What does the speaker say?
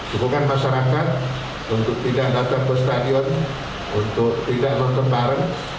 dukungan masyarakat untuk tidak datang ke stadion untuk tidak nonton bareng